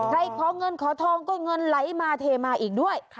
ใครขอเงินขอทองก็เงินไหลมาเทมาอีกด้วย